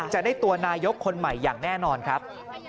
จะได้ตัวนายกคนใหม่อย่างแน่นอนครับ